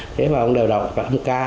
thế mà ông đều đọc là chữ ca